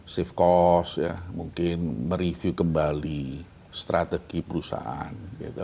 save cost mungkin mereview kembali strategi perusahaan